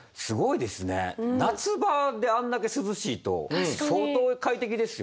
夏場であんだけ涼しいと相当快適ですよ。